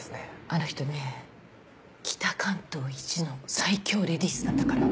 あの人ね北関東いちの最強レディースだったから。